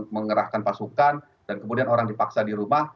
mengerahkan pasukan dan kemudian orang dipaksa di rumah